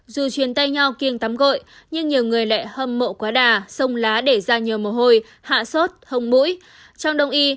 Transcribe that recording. dù truyền tay nhau kiêng tắm gội nhưng nhiều người lại hâm mộ quá đà sông lá để ra nhiều mồ hôi hạ sốt hồng mũi